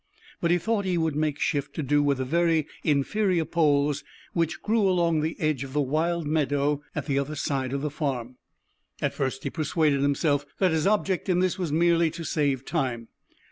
But he thought he would make shift to do with the very inferior poles which grew along the edge of the wild meadow at the other side of the farm. At first he persuaded himself that his object in this was merely to save time.